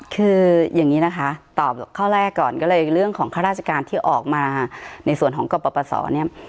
คืออย่างนี้นะคะตอบข้อแรกก่อนก็เลยเรื่องของข้าราชการที่ออกมาในส่วนของกรปศเนี่ย